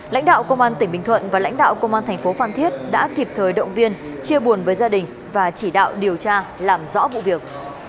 lãnh đạo công an tỉnh bình thuận và lãnh đạo công an thành phố phan thiết đã kịp thời động viên chia buồn với gia đình và chỉ đạo điều tra làm rõ vụ việc